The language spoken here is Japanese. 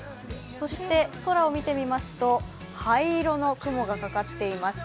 そして空を見てみますと灰色の雲がかかっています。